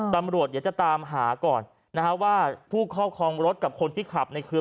ตำรวจอยากจะตามหาก่อนว่าผู้เข้าคลองรถกับคนที่ขับในคืน